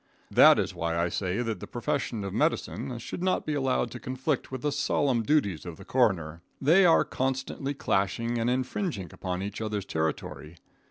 That is why I say that the profession of medicine should not be allowed to conflict with the solemn duties of the coroner. They are constantly clashing and infringing upon each other's territory.